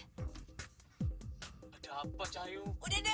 aku katakan padanya kucinta dia